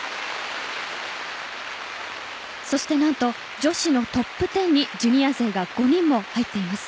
そして何と女子のトップ１０にジュニア勢が５人も入っています。